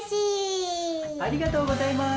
ありがとうございます。